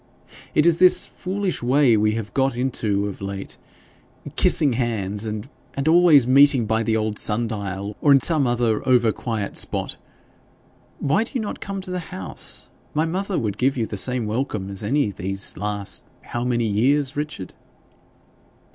It is this foolish way we have got into of late kissing hands and and always meeting by the old sun dial, or in some other over quiet spot. Why do you not come to the house? My mother would give you the same welcome as any time these last how many years, Richard?'